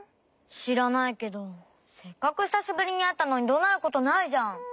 しらないけどせっかくひさしぶりにあったのにどなることないじゃん！